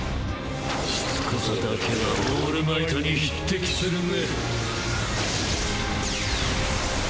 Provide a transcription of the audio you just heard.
しつこさだけはオールマイトに匹敵するね。